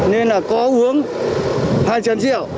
nên là có uống hai chân rượu